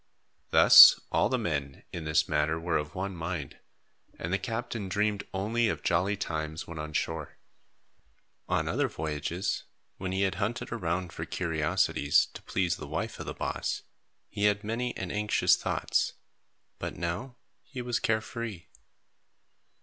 Thus, all the men, in this matter, were of one mind, and the captain dreamed only of jolly times when on shore. On other voyages, when he had hunted around for curiosities to please the wife of the boss, he had many and anxious thoughts; but now, he was care free.